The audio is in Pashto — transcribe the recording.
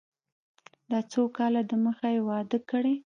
دا څو کاله د مخه يې واده کړى.